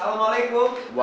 ternyata kalian di sini semua